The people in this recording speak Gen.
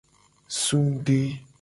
Sungde.